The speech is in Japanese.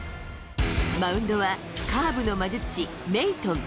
マウンドはカーブの魔術師・メイトン。